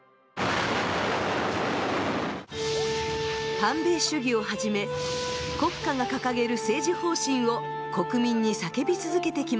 反米主義をはじめ国家が掲げる政治方針を国民に叫び続けてきました。